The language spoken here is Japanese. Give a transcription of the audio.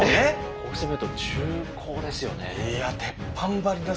こうして見ると重厚ですよね。